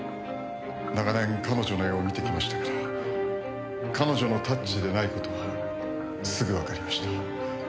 長年彼女の絵を見てきましたから彼女のタッチでない事はすぐわかりました。